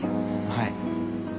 はい。